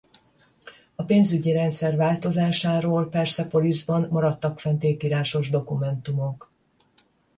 A pénzügyi rendszer változásáról Perszepoliszban maradtak fent ékírásos dokumentumok.